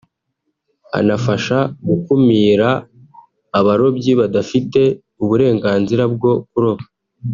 anafasha gukumira abarobyi badafite uburenganzira bwo kuroba